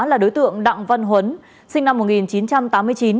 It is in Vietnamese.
là đối tượng đặng văn huấn sinh năm